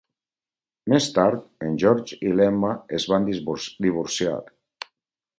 Més tard, en George i l'Emma es van divorciar.